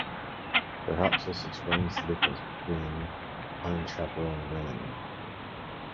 Perhaps this explains the difference between the unchaperoned women.